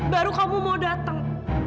baru kamu mau datang